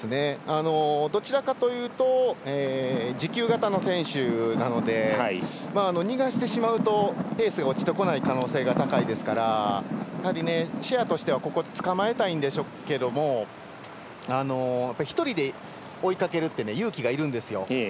どちらかというと持久型の選手なので逃がしてしまうとペースが落ちてこない可能性が高いですからやはり、シェアとしてはつかまえたいんでしょうけど一人で追いかけるって勇気がいるんですよ。